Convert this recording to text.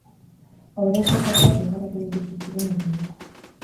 Hoberen sailkatuak elkarrekin iritsi ziren helmugara.